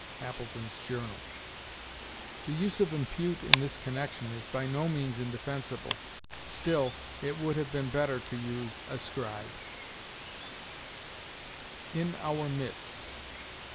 "Appletons' Journal." The use of impute in this connection is by no means indefensible; still it would have been better to use ascribe. IN OUR MIDST.